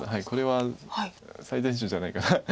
これは最善手じゃないかな。